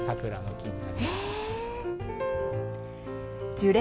樹齢